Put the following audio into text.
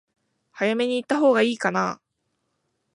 早めに行ったほうが良いかな？